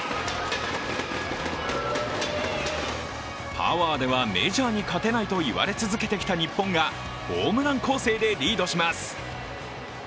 パワーではメジャーに勝てないと言われ続けてきた日本がホームラン攻勢でリードします。